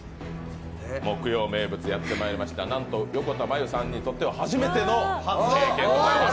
木曜名物、やってまいりました、なんと横田真悠さんにとっては初めての経験となります。